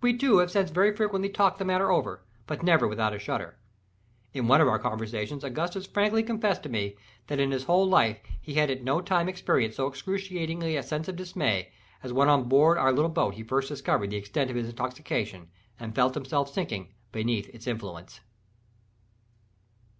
We two have since very frequently talked the matter over—but never without a shudder. In one of our conversations Augustus frankly confessed to me, that in his whole life he had at no time experienced so excruciating a sense of dismay, as when on board our little boat he first discovered the extent of his intoxication, and felt himself sinking beneath its influence.